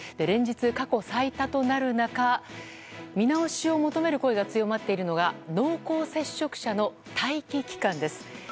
連日過去最多となる中見直しを求める声が強まっているのが濃厚接触者の待機期間です。